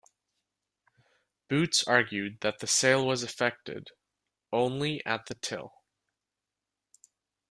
Boots argued that the sale was effected only at the till.